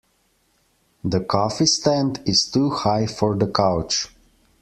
The coffee stand is too high for the couch.